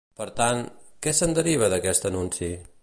Per tant, què se'n deriva d'aquest anunci?